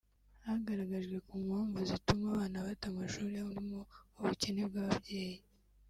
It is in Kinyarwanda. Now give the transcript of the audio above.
hagaragajwe ko mu mpamvu zituma abana bata amashuri harimo ubukene bw’ababyeyi